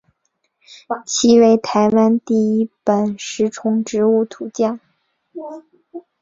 其为台湾第一本食虫植物图鉴。